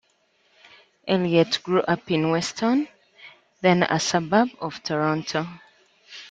Elliot grew up in Weston, then a suburb of Toronto.